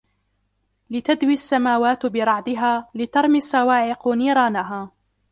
لِتَدْوِ السَّمَاوَات بِرَعْدِهَا لِتَرْمِ الصَّوَاعِقُ نِيرَانَهَا